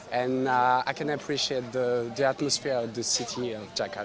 dan saya bisa menghargai atmosfer kota jakarta